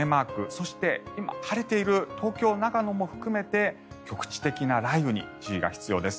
そして、今晴れている東京、長野も含めて局地的な雷雨に注意が必要です。